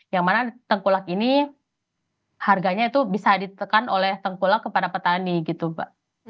yang mana tengkulak ini harganya itu bisa ditekan oleh tengkulak kepada petani gitu pak